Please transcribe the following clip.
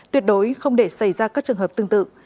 tuyệt đối không để xảy ra các trường hợp tương tự